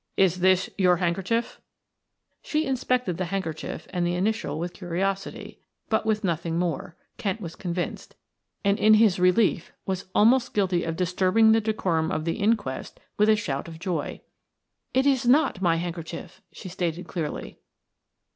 "Is this your handkerchief?" She inspected the handkerchief and the initial with curiosity, but with nothing more, Kent was convinced, and in his relief was almost guilty of disturbing the decorum of the inquest with a shout of joy. "It is not my handkerchief," she stated clearly.